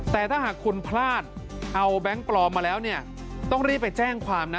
แต่ถ้าหากคุณพลาดเอาแบงค์ปลอมมาแล้วเนี่ยต้องรีบไปแจ้งความนะ